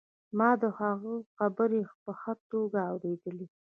ما د هغوی خبرې په ښه توګه اورېدلې